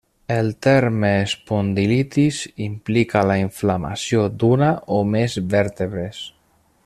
El terme espondilitis implica la inflamació d'una o més vèrtebres.